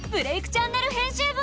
チャンネル編集部」へ！